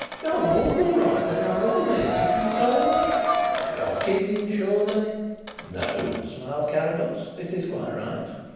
You walk all right and you look at me as if you saw me. You're kidding surely." "No," smiled Carrados. "It's quite right."